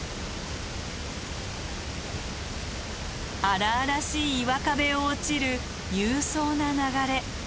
荒々しい岩壁を落ちる勇壮な流れ。